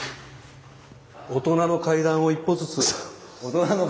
大人の階段を一歩ずつ。